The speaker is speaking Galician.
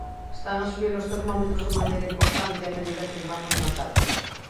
Están a subir os termómetros de maneira importante a medida que entramos na tarde.